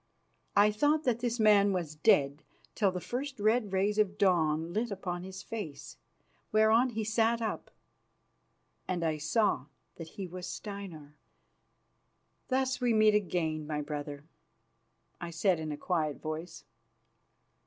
I thought that this man was dead till the first red rays of dawn lit upon his face, whereon he sat up, and I saw that he was Steinar. "Thus we meet again, my brother," I said in a quiet voice.